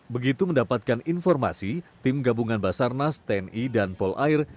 begitu mendapatkan informasi tim gabungan basarnas tni dan polair